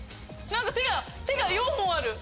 手が４本ある。